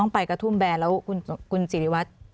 ต้องไปกระทุ่มแบรนด์แล้วคุณจิริวัตร